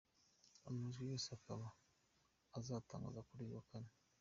Amajwi yose akaba azatangazwa kuri uyu wa kane.